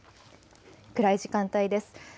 暗い時間帯です。